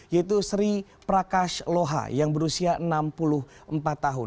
yaitu sri prakash loha yang berusia enam puluh empat tahun